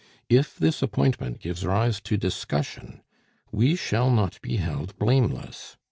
If this appointment gives rise to discussion, we shall not be held blameless.